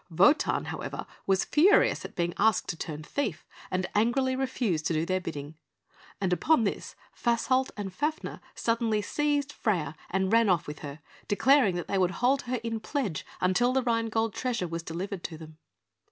Wotan, however, was furious at being asked to turn thief, and angrily refused to do their bidding; and upon this, Fasolt and Fafner suddenly seized Freia, and ran off with her, declaring that they would hold her in pledge until the Rhine Gold treasure was delivered to them.